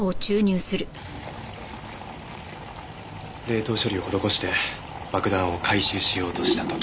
冷凍処理を施して爆弾を回収しようとした時。